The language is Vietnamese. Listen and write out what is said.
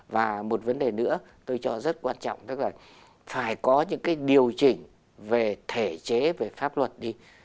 và một vấn đề nữa tôi cho rất quan trọng tức là phải có những cái điều chỉnh về thể chế về pháp luật đi